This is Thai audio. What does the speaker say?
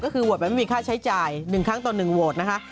ก็คือโหวตแบบไม่มีค่าใช้จ่าย๑ครั้งต่อ๑โหวตนะคะ